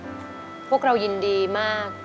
ทั้งในเรื่องของการทำงานเคยทำนานแล้วเกิดปัญหาน้อย